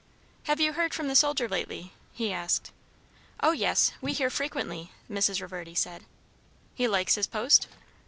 "Have you heard from the soldier lately?" he asked. "O yes! we hear frequently," Mrs. Reverdy said. "He likes his post?"